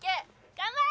頑張れ！